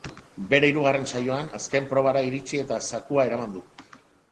Bere hirugarren saioan, azken probara iritsi eta zakua eraman du.